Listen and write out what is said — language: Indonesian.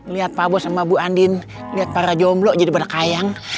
liat pak bos sama bu andin liat para jomblo jadi pada kayang